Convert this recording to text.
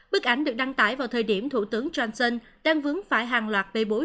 bức ảnh được đăng tải vào thời điểm thủ tướng johnson đang vướng phải hàng loạt bê bối